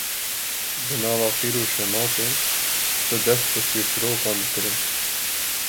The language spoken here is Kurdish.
di nava qîr û şematê de dest bi çîrçîrokan dikirin